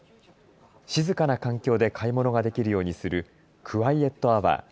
静かな環境で買い物ができるようにするクワイエットアワー。